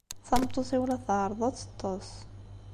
Tameṭṭut-iw la tɛerreḍ ad teṭṭes.